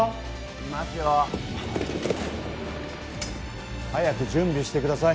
いますよ早く準備してください